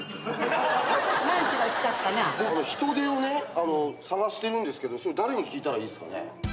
ヒトデをね探してるんですけどそれ誰に聞いたらいいっすかね？